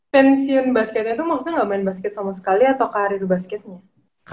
pensiun basketnya itu maksudnya gak main basket sama sekali atau karir basketnya